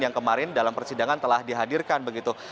yang kemarin dalam persidangan telah dihadirkan begitu